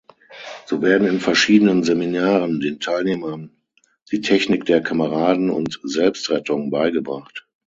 So werden in verschiedenen Seminaren den Teilnehmern die Technik der Kameraden- und Selbstrettung beigebracht.